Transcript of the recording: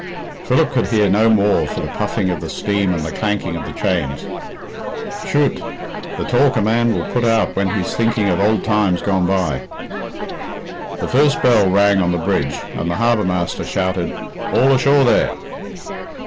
Philip could hear no more for the puffing of the steam and the clanking of the chains. "Chut! the talk a man will put out when he's thinking of ould times gone by!" The first bell rang on the bridge, and the harbour master shouted, "All ashore, there!"